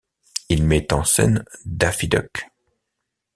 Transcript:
Il met en scène Daffy Duck.